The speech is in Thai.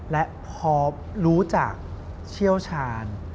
และพอรู้จักเชี่ยวชาญ